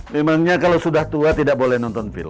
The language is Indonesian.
memangnya kalau sudah tua tidak boleh nonton film